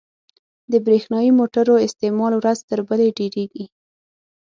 • د برېښنايي موټرو استعمال ورځ تر بلې ډېرېږي.